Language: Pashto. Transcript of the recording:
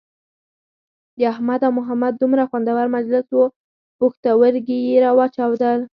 د احمد او محمد دومره خوندور مجلس وو پوښتورگي یې را وچاودل.